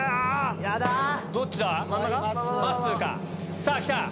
さぁ来た！